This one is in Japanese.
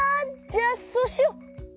じゃあそうしよう！